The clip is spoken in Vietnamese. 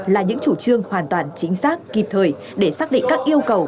là những chủ trương hoàn toàn chính xác kịp thời để xác định các yêu cầu